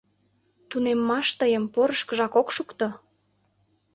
— Тунеммаш тыйым порышкыжак ок шукто...